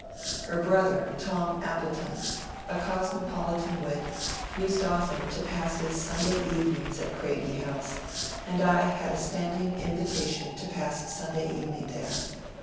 Her brother, Tom Appleton, a cosmopolitan wit, used often to pass his Sunday evenings at Craigie House, and I had a standing invitation to pass Sunday evening there.